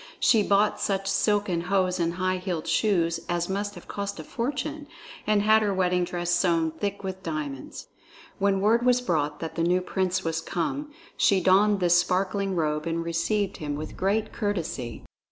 She bought such silken hose and high heeled shoes as must have cost a fortune, and had her wedding dress sewn thick with diamonds. When word was brought that the new prince was come, she donned this sparkling robe and received him with great courtesy.